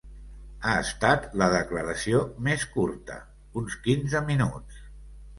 Ha estat la declaració més curta: uns quinze minuts.